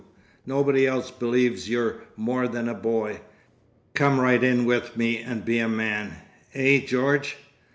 Nobody else believes you're more than a boy. Come right in with me and be a man. Eh, George?